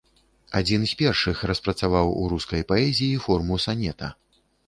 Адзін з першых распрацаваў у рускай паэзіі форму санета.